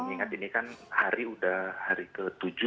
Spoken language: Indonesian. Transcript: ingat ini kan hari sudah hari ke tujuh